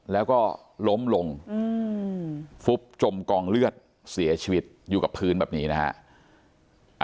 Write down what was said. แล้วก็ล้มลงฟุบจมกองเลือดเสียชีวิตอยู่กับพื้นแบบนี้นะฮะ